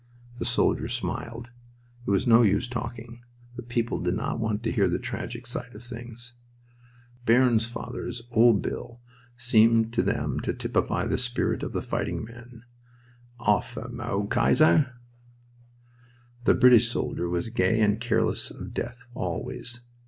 The soldier smiled. It was no use talking. The people did not want to hear the tragic side of things. Bairnsfather's "Ole Bill" seemed to them to typify the spirit of the fighting man... "'Alf a mo', Kaiser!"... The British soldier was gay and careless of death always.